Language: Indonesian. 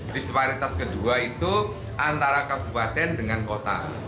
disparitas kedua itu antara kabupaten dengan kota